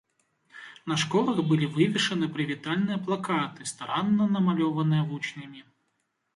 На школах былі вывешаны прывітальныя плакаты, старанна намалёваныя вучнямі.